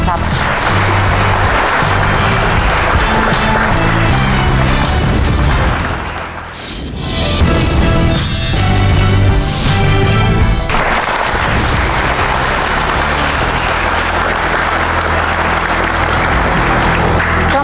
ขอบคุณค่ะ